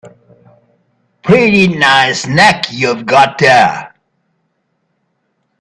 Pretty nice neck you've got there.